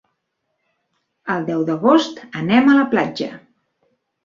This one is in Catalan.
El deu d'agost anem a la platja.